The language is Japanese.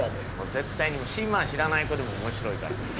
絶対に知らない子でも面白いから。